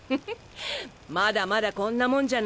まだまだこんなもんじゃないぞ。